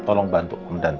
tolong bantu om dan tante